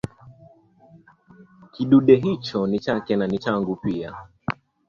Kidude hicho ni chake na ni changu pia